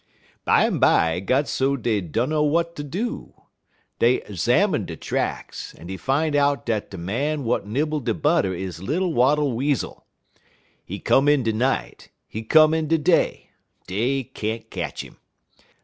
"Bimeby it got so dey dunner w'at ter do; dey zamin' de tracks, en dey fine out dat de man w'at nibble dey butter is little Wattle Weasel. He come in de night, he come in de day; dey can't ketch 'im.